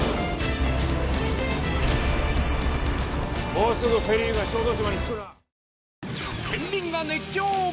もうすぐフェリーが小豆島に着くな。